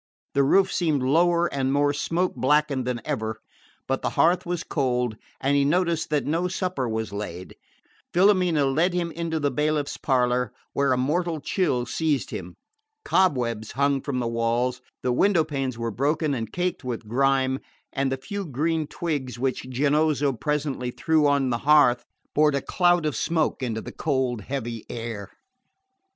The roof seemed lower and more smoke blackened than ever, but the hearth was cold, and he noticed that no supper was laid. Filomena led him into the bailiff's parlour, where a mortal chill seized him. Cobwebs hung from the walls, the window panes were broken and caked with grime, and the few green twigs which Giannozzo presently threw on the hearth poured a cloud of smoke into the cold heavy air.